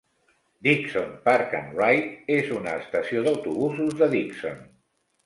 Dixon Park and Ride és una estació d'autobusos de Dixon.